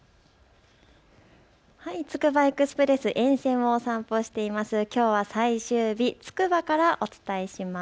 つくばエクスプレス沿線のお散歩をしています。